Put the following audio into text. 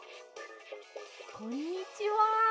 こんにちは！